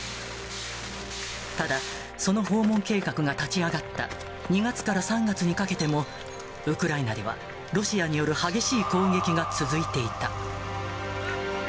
ただ、その訪問計画が立ち上がった２月から３月にかけても、ウクライナではロシアによる激しい攻撃が続いていた。